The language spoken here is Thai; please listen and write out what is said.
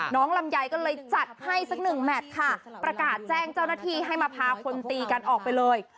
ลำไยก็เลยจัดให้สักหนึ่งแมทค่ะประกาศแจ้งเจ้าหน้าที่ให้มาพาคนตีกันออกไปเลย